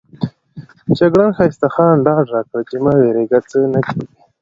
جګړن ښایسته خان ډاډ راکړ چې مه وېرېږئ څه نه کېږي.